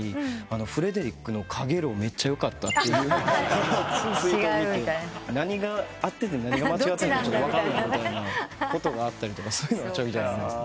フレデリックの『陽炎』めっちゃよかったってツイートを見て何が合ってて何が間違ってるのか分かんないことがあったりそういうのがちょいちょいあります。